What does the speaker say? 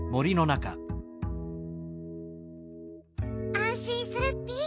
あんしんするッピ。